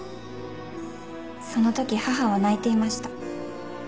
そのとき母は泣いていました。